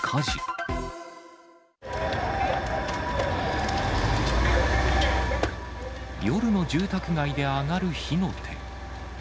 夜の住宅街で上がる火の手。